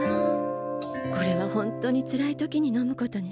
これは本当につらい時に飲むことにしよう。